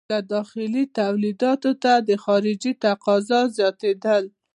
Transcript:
له داخلي تولیداتو ته د خارجې تقاضا زیاتېدل.